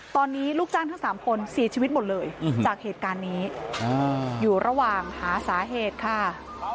ตอนนี้ลูกจ้างทั้ง๓คนเสียชีวิตหมดเลยจากเหตุการณ์นี้อยู่ระหว่างหาสาเหตุค่ะ